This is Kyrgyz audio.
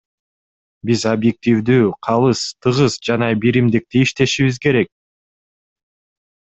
Биз объективдүү, калыс, тыгыз жана биримдикте иштешибиз керек.